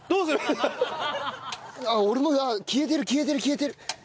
消えてる消えてる消えてる！